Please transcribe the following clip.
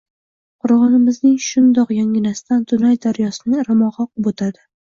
Qoʻrgʻonimizning shundoq yonginasidan Dunay daryosining irmogʻi oqib oʻtadi.